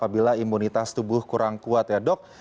apabila imunitas tubuh kurang kuat ya dok